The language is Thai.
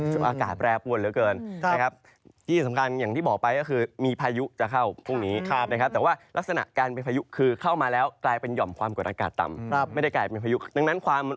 ถึงอากาศแปลปวลเหลือเกิน